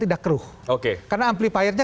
tidak keruh oke karena amplifiernya